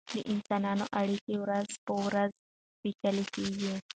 د انسانانو اړیکې ورځ په ورځ پیچلې کیږي.